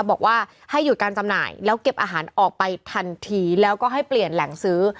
บอกว่าให้หยุดการจำหน่ายแล้วเก็บอาหารออกไปทันทีแล้วก็ให้เปลี่ยนแหล่งซื้อ